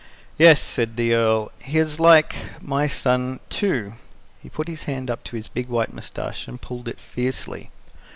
"Yes," said the Earl, "he is like my son too." He put his hand up to his big white mustache and pulled it fiercely.